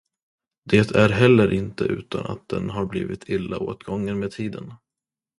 Det är heller inte utan att den har blivit illa åtgången med tiden.